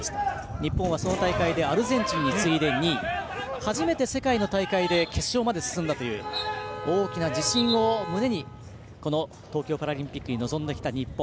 日本はその大会でアルゼンチンに次いで２位初めて世界の大会で決勝まで進んだという大きな自信を胸にこの東京パラリンピックに臨んできた日本。